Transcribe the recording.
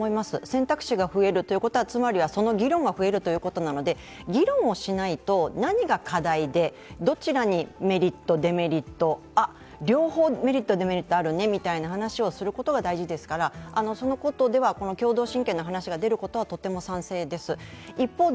選択肢が増えるということはつまりはその議論が増えるということなので議論をしないと、何が課題でどちらにメリット・デメリット、両方メリット、デメリットあるねみたいな話をすることが大事ですからそのことでは共同親権の話が出ることはとても賛成です。